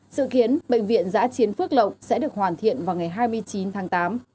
sự khiến bệnh viện giã chiến phức lọc sẽ được hoàn thiện vào ngày hai mươi chín tháng tám